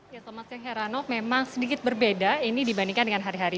ya thomas kheranov memang sedikit berbeda ini dibandingkan dengan hari hari